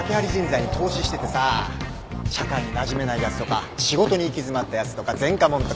社会になじめないやつとか仕事に行き詰まったやつとか前科者とか。